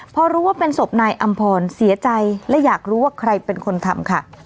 พอรู้ว่าเป็นศพนายอำพรเสียใจและอยากรู้ว่าใครเป็นคนทำค่ะ